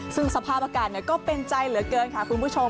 ซึ่งสภาพอากาศก็เป็นใจเหลือเกินค่ะคุณผู้ชม